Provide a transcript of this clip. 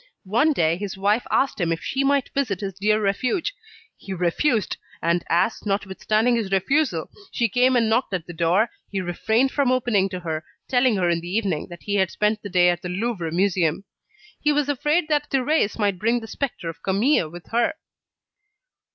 One day his wife asked him if she might visit this dear refuge. He refused, and as, notwithstanding his refusal, she came and knocked at the door, he refrained from opening to her, telling her in the evening that he had spent the day at the Louvre Museum. He was afraid that Thérèse might bring the spectre of Camille with her.